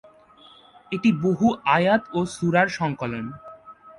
এটি বহু আয়াত ও সূরার সংকলন।